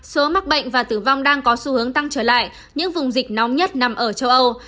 số mắc bệnh và tử vong đang có xu hướng tăng trở lại những vùng dịch nóng nhất nằm ở châu âu